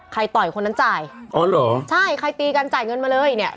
ต่อยคนนั้นจ่ายอ๋อเหรอใช่ใครตีกันจ่ายเงินมาเลยเนี่ย